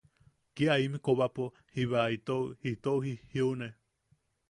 Kia im kobapo jiba itou... itou jijiune.